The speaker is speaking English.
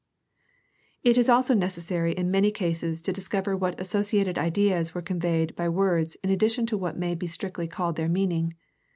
It is also necessary in many cases to discover what associ ated ideas were conveyed by words in addition to what may be strictly called their meaning.